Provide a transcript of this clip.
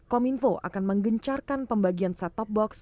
kominfo akan menggencarkan pembagian set top box